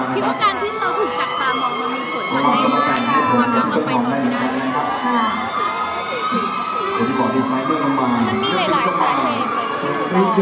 เพราะว่าการที่เราถูกกัดตามบอกว่ามันมีกฎภัณฑ์ใหญ่มาก